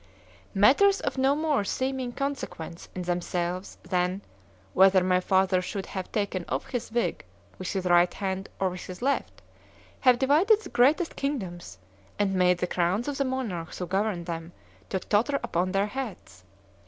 Matters of no more seeming consequence in themselves than, "Whether my father should have taken off his wig with his right hand or with his left,"—have divided the greatest kingdoms, and made the crowns of the monarchs who governed them, to totter upon their heads.